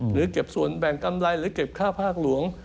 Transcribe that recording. หรือเก็บส่วนแบ่งกำไรหรือเก็บค่าภาคหลวง